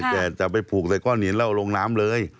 จะไปผูกในก้อนหินเหล้าลงน้ำเลย